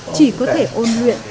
chỉ có thể ôn nguyện